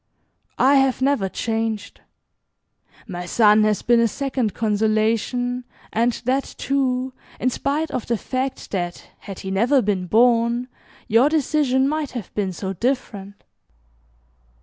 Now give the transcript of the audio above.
I have never changed. My son has been a second consolation, and that, too, in spite of the fact that, had he never been born, your decision might have been so different.